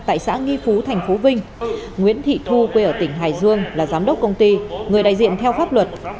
tại xã nghi phú tp vinh nguyễn thị thu quê ở tỉnh hải dương là giám đốc công ty người đại diện theo pháp luật